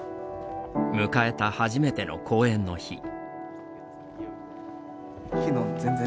迎えた初めての講演の日。